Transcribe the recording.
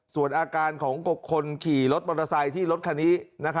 ส่วนอาการของคนขี่รถมอเตอร์ไซค์ที่รถคันนี้